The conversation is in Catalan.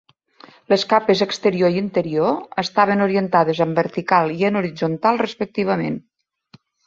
Les capes exterior i interior estaven orientades en vertical i en horitzontal, respectivament.